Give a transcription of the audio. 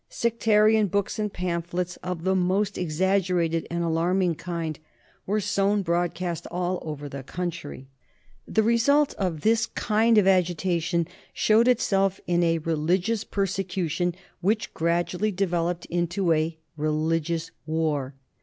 Sectarian books and pamphlets of the most exaggerated and alarming kind were sown broadcast all over the country. The result of this kind of agitation showed itself in a religious persecution, which gradually developed into a religious war.